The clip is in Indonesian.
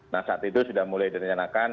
nah saat itu sudah mulai direncanakan